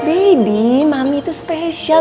baby mami tuh spesial